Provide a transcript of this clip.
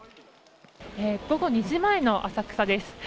午後２時前の浅草です。